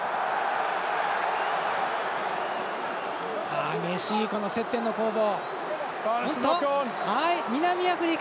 激しい接点での攻防。